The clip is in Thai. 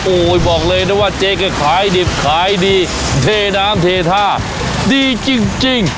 โอ้โหบอกเลยนะว่าเจ๊ก็ขายดิบขายดีเทน้ำเทท่าดีจริง